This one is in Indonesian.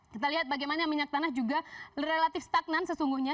kita lihat bagaimana minyak tanah juga relatif stagnan sesungguhnya